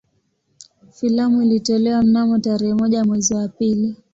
Filamu ilitolewa mnamo tarehe moja mwezi wa pili